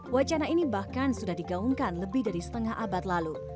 wacana ini bahkan sudah digaungkan lebih dari setengah abad lalu